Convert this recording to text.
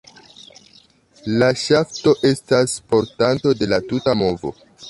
La ŝafto estas portanto de la tuta movo.